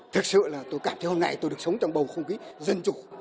thực sự là tôi cảm thấy hôm nay tôi được sống trong bầu không khí dân chủ